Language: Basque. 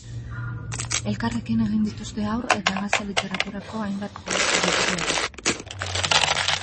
Elkarrekin egin dituzte haur eta gazte literaturako hainbat liburu ere.